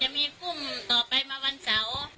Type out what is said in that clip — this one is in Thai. จะมีพรุ่งต่อไปมาวันเสาร์